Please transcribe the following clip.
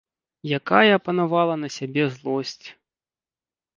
Якая апанавала на сябе злосць!